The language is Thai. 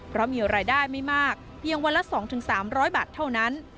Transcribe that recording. เพราะมีรายได้ไม่มากเพียงวันละ๒๓๐๐บาทเท่านั้น